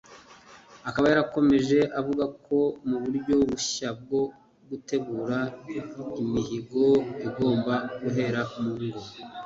Akaba yarakomeje avuga ko mu buryo bushya bwo gutegura imihigo igomba guhera mu ngo